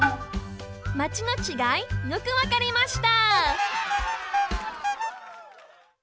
「マチ」のちがいよくわかりました！